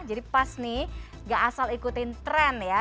jadi pas nih gak asal ikutin tren ya